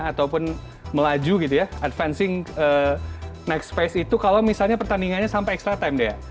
ataupun melaju gitu ya advancing next space itu kalau misalnya pertandingannya sampai extra time dea